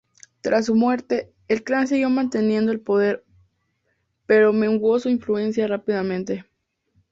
Tras su muerte, el clan siguió manteniendo el poder pero menguó su influencia rápidamente.